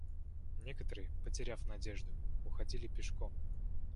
Некоторые, потеряв надежду, уходили пешком.